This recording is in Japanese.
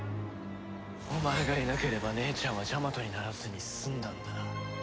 お前がいなければ姉ちゃんはジャマトにならずに済んだんだ。